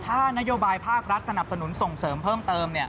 ถ้านโยบายภาครัฐสนับสนุนส่งเสริมเพิ่มเติม